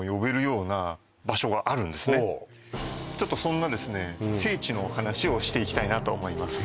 ちょっとそんな聖地の話をしていきたいなと思います